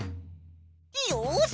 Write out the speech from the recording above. よし！